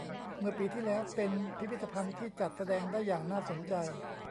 เมื่อปีที่แล้ว เป็นพิพิธภัณฑ์ที่จัดแสดงได้อย่างน่าสนใจ